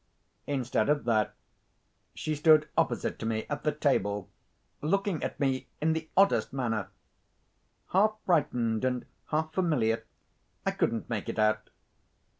Instead of that, she stood opposite to me at the table, looking at me in the oddest manner—half frightened, and half familiar—I couldn't make it out.